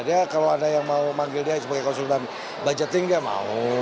dia kalau ada yang mau manggil dia sebagai konsultan budgeting dia mau